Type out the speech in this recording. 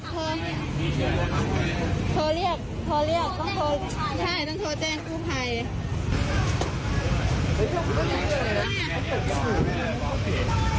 โทรเรียกต้องโทรแจ้งกู้ไพ